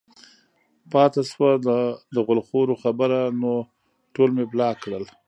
پاتې شوه د غول خورو خبره نو ټول مې بلاک کړل